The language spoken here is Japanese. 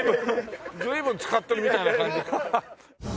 随分使ってるみたいな感じ。